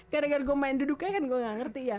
gara gara gue main duduknya kan gue gak ngerti ya